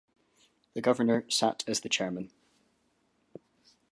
The governor sat as the chairman.